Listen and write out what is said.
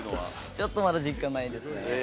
ちょっとまだ実感ないですね。